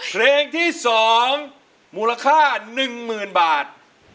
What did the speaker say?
เพลงที่๒มูลค่า๑หมื่นบาท